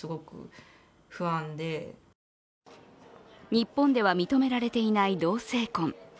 日本では認められていない同性婚。